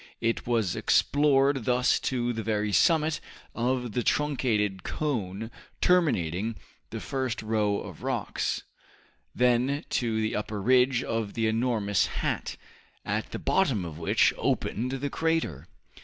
It was explored thus to the very summit of the truncated cone terminating the first row of rocks, then to the upper ridge of the enormous hat, at the bottom of which opened the crater.